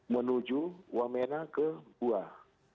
menuju wamena ke buah